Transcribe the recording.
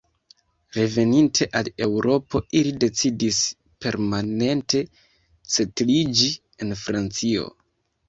Reveninte al Eŭropo, ili decidis permanente setliĝi en Francio.